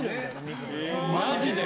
マジで？